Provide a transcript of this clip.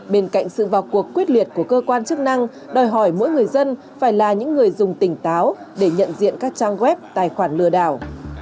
bên cạnh sự vào cuộc quyết liệt của cơ quan chức năng đòi hỏi mỗi người dân phải là những người dùng tỉnh táo để nhận diện các trang web tài khoản lừa đảo